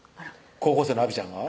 高校生のあびちゃんが？